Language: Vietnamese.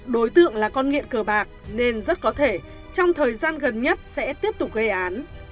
đối tượng là con nghiện cờ bạc nên rất có thể trong thời gian gần nhất sẽ tiếp tục gây án